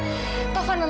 itu eh di minion